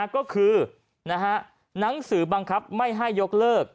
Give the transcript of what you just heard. ก็คือหนังสือบังคับไม่ให้ยกเลิก